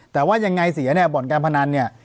แต่ว่ายังไงเสียเนี่ยบ่อนการพนันเนี่ย